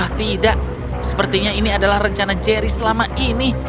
ah tidak sepertinya ini adalah rencana jerry selama ini